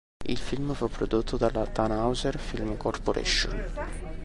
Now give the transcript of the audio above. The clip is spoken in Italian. Il film fu prodotto dalla Thanhouser Film Corporation.